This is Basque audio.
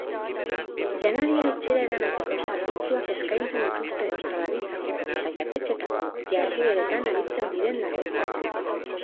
Janaria etxera eramateko zerbitzuak eskaintzen dituzten ostalaritzako eta jatetxeetako jardueretan aritzen diren langileak.